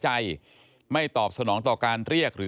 พบหน้าลูกแบบเป็นร่างไร้วิญญาณ